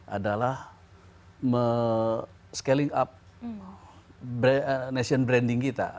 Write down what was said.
adalah scaling up nation branding kita